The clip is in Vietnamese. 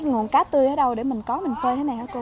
nguồn cá tươi ở đâu để mình có mình phơi thế này hả cô